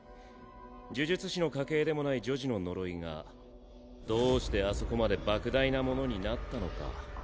呪術師の家系でもない女児の呪いがどうしてあそこまで莫大なものになったのか。